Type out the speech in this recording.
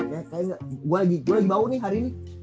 kayaknya gue lagi bau nih hari ini